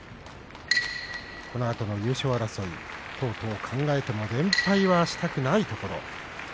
このあとの優勝争いなどを考えても連敗はしたくない。